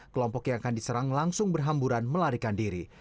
kelompok yang akan diserang langsung berhamburan melarikan diri